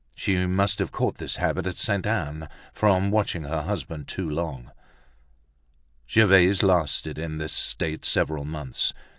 She must have caught this habit at Sainte Anne from watching her husband too long. Gervaise lasted in this state several months.